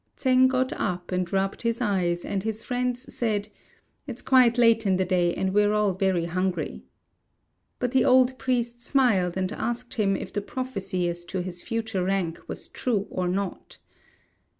Tsêng got up and rubbed his eyes, and his friends said, "It's quite late in the day, and we're all very hungry." But the old priest smiled, and asked him if the prophecy as to his future rank was true or not.